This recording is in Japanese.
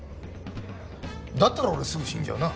だったら俺すぐ死んじゃうな。